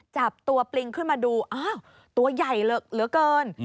จับตัวปลิงขึ้นมาดูอ้าวตัวใหญ่เหลือเกิน